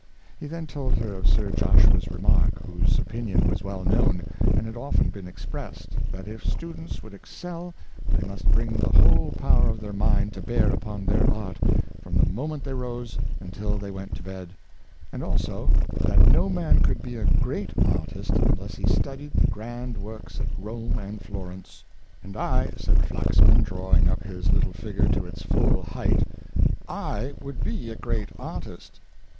He then told her of Sir Joshua's re mark— whose opinion was well known, and had often been expressed, that if students would excel they must bring the whole power of their mind to bear upon their art, from the moment they rose until they went to bed ; and also, that no man could be a great artist unless he studied the grand works at Rome and Florence. " And I," said Flaxman, drawing up his little figure to its full height, "/ would be a great artist."